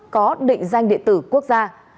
có định danh địa tử quốc gia